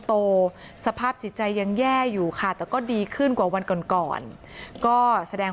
โตสภาพจิตใจยังแย่อยู่ค่ะแต่ก็ดีขึ้นกว่าวันก่อนก่อนก็แสดง